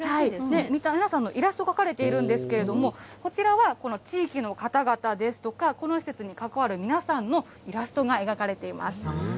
皆さんのイラスト、描かれているんですけれども、こちらはこの地域の方々ですとか、この施設に関わる皆さんのイラストが描かれています。